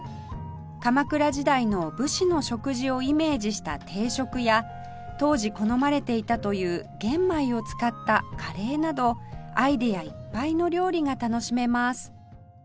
鎌倉時代の武士の食事をイメージした定食や当時好まれていたという玄米を使ったカレーなどアイデアいっぱいの料理が楽しめます